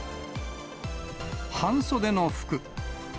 半袖の服。